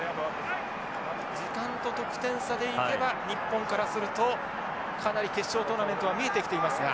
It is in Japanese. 時間と得点差でいけば日本からするとかなり決勝トーナメントは見えてきていますが。